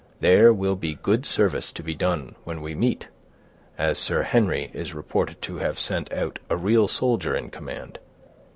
There will be good service to be done when we meet, as Sir Henry is reported to have sent out a real soldier in command.